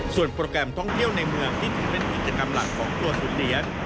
ส่วนโปรแกรมท่องเที่ยวในเมืองที่ถือเป็นกิจกรรมหลักของตัวทุนเหรียญ